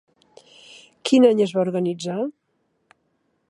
Quin any es va organitzar?